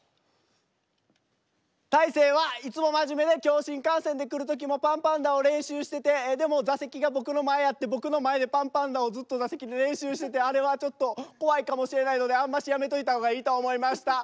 大晴はいつも真面目で今日新幹線で来る時も「パンぱんだ」を練習しててでも座席が僕の前やって僕の前で「パンぱんだ」をずっと座席で練習しててあれはちょっと怖いかもしれないのであんましやめといたほうがいいと思いました。